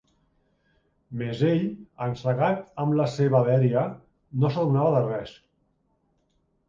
Més ell, encegat amb la seva dèria, no s'adonava de res.